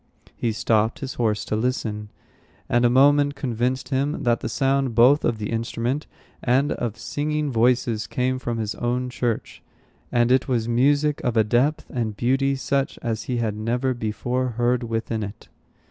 He stopped his horse to listen, and a moment convinced him that the sound both of the instrument and of singing voices came from his own church; and it was music of a depth and beauty such as he had never before heard within it.